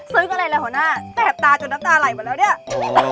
อะไรเลยหัวหน้าแสบตาจนน้ำตาไหลมาแล้วเนี่ย